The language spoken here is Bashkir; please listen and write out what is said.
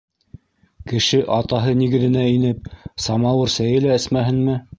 Кеше атаһы нигеҙенә инеп самауыр сәйе лә эсмәһенме?!